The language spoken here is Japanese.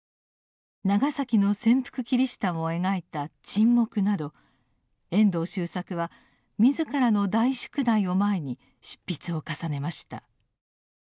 長崎の潜伏キリシタンを描いた「沈黙」など遠藤周作は自らの「大宿題」を前に執筆を重ねました。